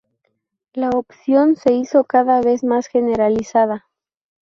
La oposición se hizo cada vez más generalizada.